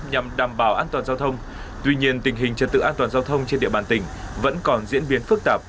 nhằm đảm bảo an toàn giao thông tuy nhiên tình hình trật tự an toàn giao thông trên địa bàn tỉnh vẫn còn diễn biến phức tạp